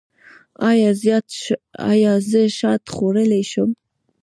ایا زه شات خوړلی شم؟